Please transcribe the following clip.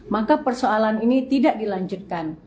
maka persoalan ini tidak dilanjutkan